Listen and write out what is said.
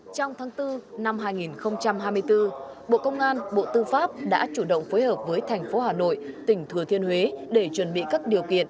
trong tháng bốn năm hai nghìn hai mươi bốn bộ công an bộ tư pháp đã chủ động phối hợp với thành phố hà nội tỉnh thừa thiên huế để chuẩn bị các điều kiện